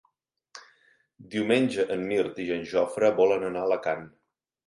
Diumenge en Mirt i en Jofre volen anar a Alacant.